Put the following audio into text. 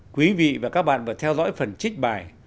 quý vị và các bạn vừa theo dõi phần trích bài